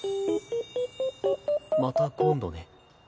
また今度ね。